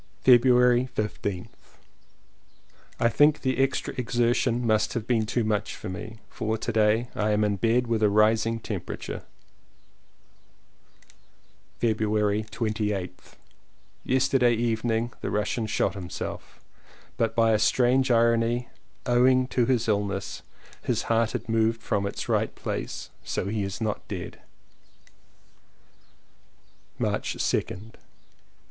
February 15th. I think the extra exertion must have been too much for me, for to day I am in bed with a rising temperature. February 28th. Yesterday evening the Russian shot him self, but by a strange irony, owing to his illness, his heart had moved from its right place, so he is not dead.